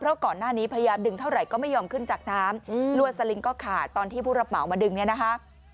เพราะก่อนหน้านี้พยายามดึงเท่าไหร่ก็ไม่ยอมขึ้นจากน้ำลวดสลิงก็ขาดตอนที่ผู้รับเหมามาดึงเนี่ยนะคะ